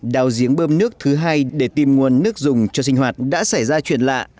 đào giếng bơm nước thứ hai để tìm nguồn nước dùng cho sinh hoạt đã xảy ra chuyện lạ